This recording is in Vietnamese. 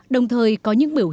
đồng thời có những biểu tượng